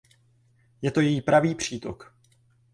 Je to její pravý přítok.